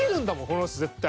この人絶対。